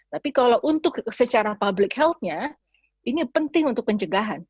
tapi kalau untuk secara public health nya ini penting untuk pencegahan